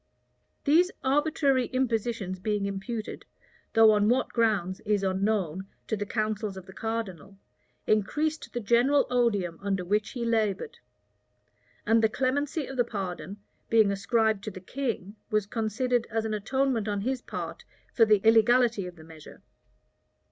These arbitrary impositions being imputed, though on what grounds is unknown, to the counsels of the cardinal, increased the general odium under which he labored: and the clemency of the pardon, being ascribed to the king, was considered as an atonement on his part for the illegality of the measure.